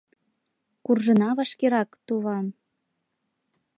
Куржына вашкерак, туван!